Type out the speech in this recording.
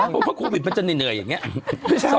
เพราะว่าโควิดมันจะเหนื่อยอย่างนี้